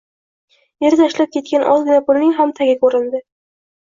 Eri tashlab ketgan ozgina pulning ham tagi ko`rindi